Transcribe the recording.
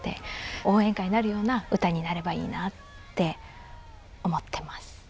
応援歌になるような歌になればいいなって思ってます。